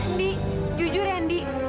ndi jujur ya ndi